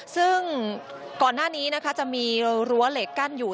ซึ่งก่อนหน้านี้นะคะจะมีรั้วเหล็กกั้นอยู่